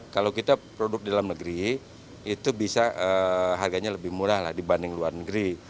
kalau kita produk dalam negeri itu bisa harganya lebih murah dibanding luar negeri